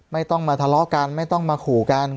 ไม่ต้องมาทะเลาะกันไม่ต้องมาขู่กัน